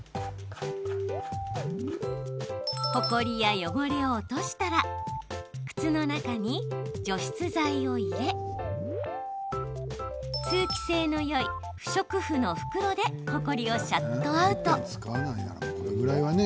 ほこりや汚れを落としたら靴の中に除湿剤を入れ通気性のよい不織布の袋でほこりをシャットアウト。